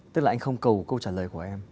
tức là anh không cầu câu trả lời của em